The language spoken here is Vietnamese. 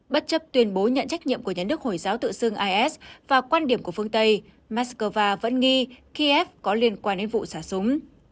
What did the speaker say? bất chấp tuyên bố nhận trách nhiệm của nhà nước hồi giáo tự xưng is và quan điểm của phương tây moscow vẫn nghi kiev có liên quan đến vụ xả súng